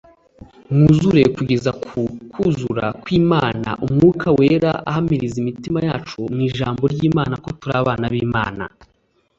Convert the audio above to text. mwuzure kugeza ku kuzura kw'ImanaUmwuka Wera ahamiriza imitima yacu mu Ijambo ry'Imana ko turi abana b'Imana.